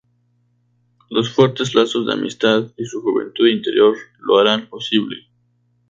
Los fuertes lazos de amistad y su juventud interior lo harán posible.